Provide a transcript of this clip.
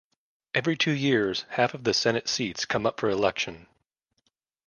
Every two years, half of the senate seats come up for election.